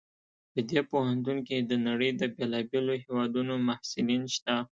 په دې پوهنتون کې د نړۍ د بیلابیلو هیوادونو محصلین شته